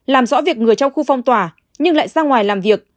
làm rõ việc người trong khu phong tỏa nhưng lại ra ngoài làm việc